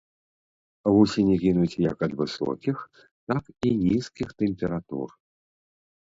Вусені гінуць як ад высокіх, так і нізкіх тэмператур.